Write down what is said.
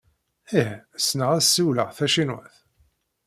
Ih. Ssneɣ ad ssiwleɣ tacinwat.